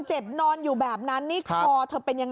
โทรแล้วไมโตยัง